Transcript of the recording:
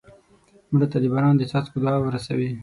مړه ته د باران د څاڅکو دعا ورسوې